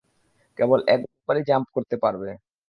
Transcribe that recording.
কেবল একবারই জাম্প করতে পারবে।